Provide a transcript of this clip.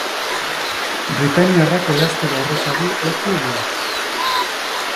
Britainiarrak elastiko arrosari eutsi dio.